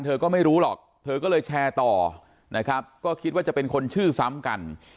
เธอก็ไม่รู้หรอกเธอก็เลยแชร์ต่อนะครับก็คิดว่าจะเป็นคนชื่อซ้ำกัน